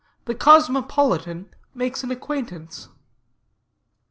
THE COSMOPOLITAN MAKES AN ACQUAINTANCE.